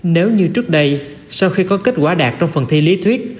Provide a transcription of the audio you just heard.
nếu như trước đây sau khi có kết quả đạt trong phần thi lý thuyết